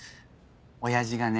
親父がね。